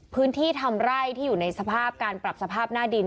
พื้นที่ทำไร่ที่อยู่ในสภาพการปรับสภาพหน้าดิน